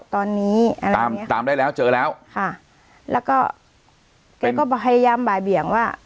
ตอนนี้ตามตามได้แล้วเจอแล้วค่ะแล้วก็แกก็พยายามบ่ายเบี่ยงว่า